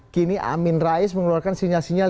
kini amin rais mengeluarkan sinyal sinyal